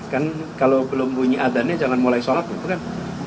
kan kalau belum bunyi adanya jangan mulai sholat gitu kan